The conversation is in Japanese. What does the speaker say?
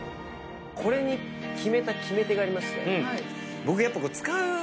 これに決めた決め手がありまして僕。